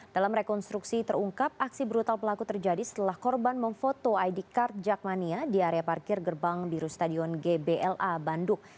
dalam rekonstruksi terungkap aksi brutal pelaku terjadi setelah korban memfoto id card jakmania di area parkir gerbang biru stadion gbla bandung